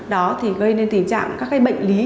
đó thì gây nên tình trạng các cái bệnh lý